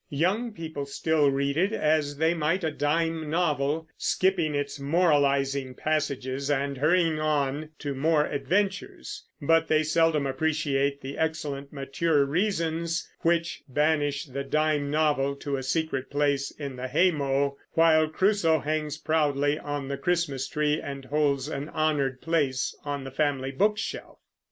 Young people still read it as they might a dime novel, skipping its moralizing passages and hurrying on to more adventures; but they seldom appreciate the excellent mature reasons which banish the dime novel to a secret place in the haymow, while Crusoe hangs proudly on the Christmas tree or holds an honored place on the family bookshelf.